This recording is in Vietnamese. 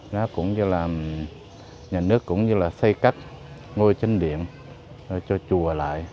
nó cũng như là nhà nước cũng như là xây cách ngôi trinh điện cho chùa lại